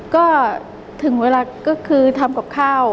ก็ถึงเวลาก็คือทำกับข้าว